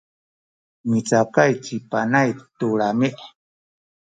micakay ci Panay tu lami’.